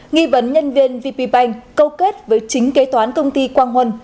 nghi vấn nhân viên vp bank câu kết với chính kế toán công ty quang huân